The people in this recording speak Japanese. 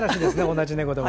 同じ猫でも。